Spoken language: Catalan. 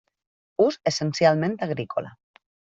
Ús essencialment agrícola.